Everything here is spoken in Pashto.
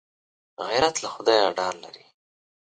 غیرت له خدایه ډار لري